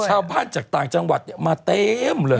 ชาวบ้านจากต่างจังหวัดมาเต็มเลย